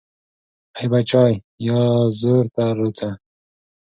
ای بچای، یازور ته روڅه